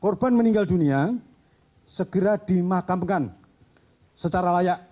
korban meninggal dunia segera dimakamkan secara layak